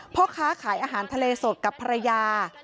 พ่อค้าขายอาหารทะเลสดกับภรรยา